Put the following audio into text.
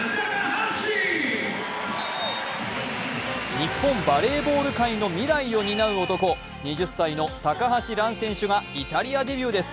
日本バレーボール界の未来を担う男、２０歳の高橋藍選手がイタリアデビューです。